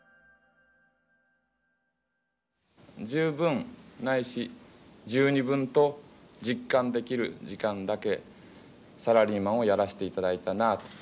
十分ないし十二分と実感できる時間だけサラリーマンをやらせて頂いたなと。